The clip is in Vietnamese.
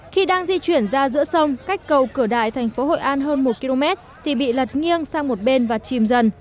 khi đang di chuyển ra giữa sông cách cầu cửa đại thành phố hội an hơn một km thì bị lật nghiêng sang một bên và chìm dần